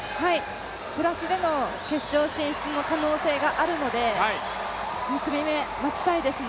プラスでの決勝進出の可能性があるので２組目、待ちたいですね。